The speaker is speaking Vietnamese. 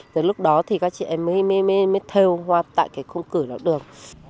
giờ lúc đó thì các chị em mới theo hoa tại cái khung cửa đó được